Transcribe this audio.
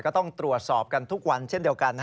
ก็ต้องตรวจสอบกันทุกวันเช่นเดียวกัน